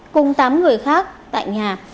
cùng tám người khác tại nhà